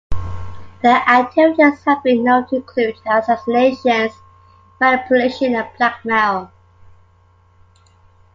Their activities have been known to include assassinations, manipulation and blackmail.